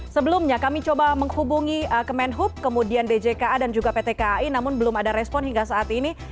sebelumnya kami coba menghubungi kemenhub kemudian bjka dan juga pt kai namun belum ada respon hingga saat ini